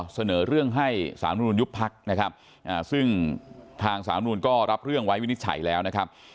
เสนอเรื่องให้สารมนุนยุบพักนะครับซึ่งทางสามนุนก็รับเรื่องไว้วินิจฉัยแล้วนะครับ